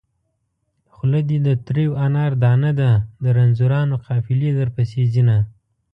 خوله دې د تريو انار دانه ده د رنځورانو قافلې درپسې ځينه